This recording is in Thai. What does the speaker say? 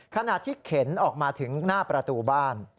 ขณะที่เข็นออกมาถึงหน้าประตูบ้าน